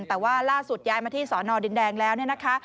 แต่ว่าล่าสุดย้ายมาที่สอนอดินแดงแล้วเนี่ยนะคะ